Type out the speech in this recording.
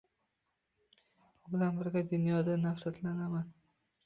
U bilan birga dunyodan nafratlanaman